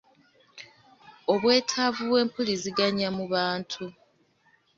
Obwetaavu bw’empuliziganya mu bantu